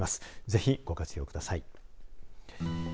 ぜひ、ご活用ください。